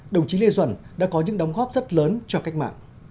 đồng chí lê duẩn đã có những đóng góp rất lớn cho cách mạng